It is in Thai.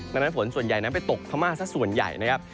ดังนั้นฝนส่วนใหญ่นั้นไปตกพม่าสักส่วนใหญ่นะครับ